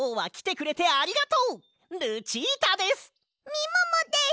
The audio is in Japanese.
みももです！